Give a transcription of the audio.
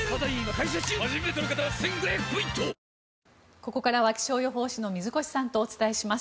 ここからは気象予報士の水越さんとお伝えします。